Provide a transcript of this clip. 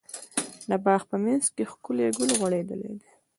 د باغ په منځ کې ښکلی ګل غوړيدلی ده.